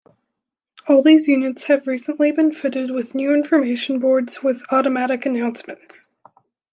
All these units have recently been fitted with new information boards with automatic announcements.